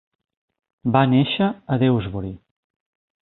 Va néixer a Dewsbury.